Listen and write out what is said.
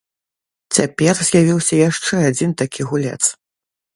Цяпер з'явіўся яшчэ адзін такі гулец.